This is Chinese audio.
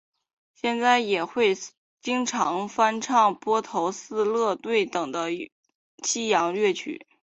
现在也会经常翻唱披头四乐队等的西洋乐曲。